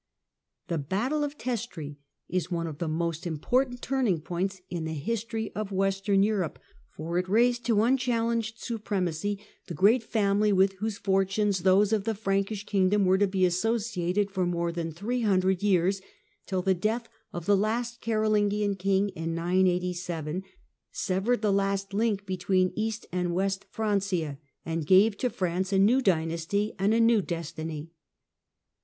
The battle of Testri is one of the most important turning points in the history of Western Europe, for it raised to unchallenged supremacy the great Austrasian THE MAYORS OF THE PALACE 101 family with whose fortunes those of the Frankish king dom were to be associated for more than three hundred years, till the death of the last Carolingian king, in 987, severed the last link between East and West Francia, and gave to France a new dynasty and a new destiny.